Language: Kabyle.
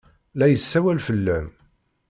La yessawal fell-am.